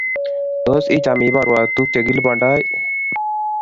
tos icham ibarwa tukchyekilipandoi